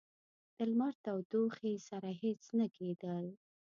د لمر تودوخې سره هیڅ نه کېدل.